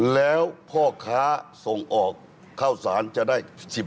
แล้วพ่อค้าส่งออกข้าวสารจะได้๑๐